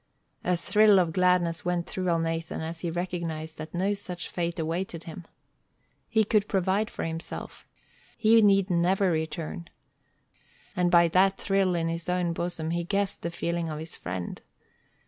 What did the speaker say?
A thrill of gladness went through Elnathan as he recognized that no such fate awaited him. He could provide for himself. He need never return. And by that thrill in his own bosom he guessed the feeling of his friend.